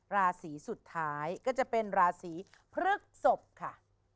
ราศีสุดท้ายก็จะเป็นราศีพฤกษบค่ะ